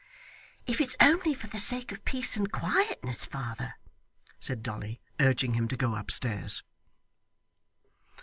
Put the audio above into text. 'If it's only for the sake of peace and quietness, father,' said Dolly, urging him to go upstairs.